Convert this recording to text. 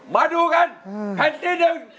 มาดูกันแผ่นที่หนึ่ง